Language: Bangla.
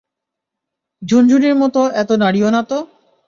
ঝুনঝুনির মতো এত নাড়িও না তো!